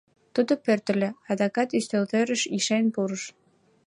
Тудо пӧртыльӧ, адакат ӱстелтӧрыш ишен пурыш.